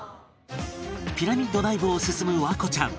ピラミッド内部を進む環子ちゃん